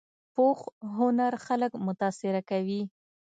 پوخ هنر خلک متاثره کوي